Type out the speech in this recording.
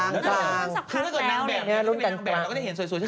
ถ้าเกิดนางแบบไม่ได้เป็นนางแบบเราก็จะเห็นสวย